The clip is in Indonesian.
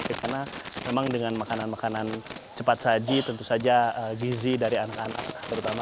karena memang dengan makanan makanan cepat saji tentu saja gizi dari anak anak